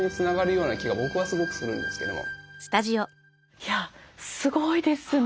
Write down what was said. いやすごいですね。